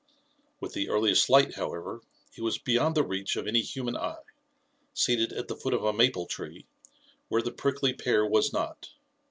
With the earliest light, however, he was beyond the reach of any human eye, seated at the foot of a maple tree, where the prickly pear was not.